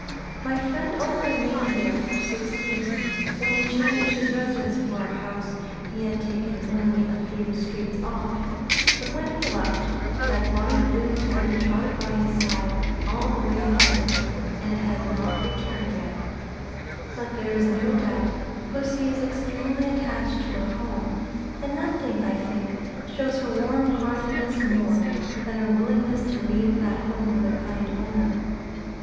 My friend only remained there for six weeks, when he changed his residence for a house he had taken only a few streets off, but when he left, that bonnie blue tabby trotted by his side all the way home, and it has not returned yet. But there is no doubt pussy is extremely attached to her home; and nothing, I think, shows her warm heartedness more, than her willingness to leave that home with a kind owner.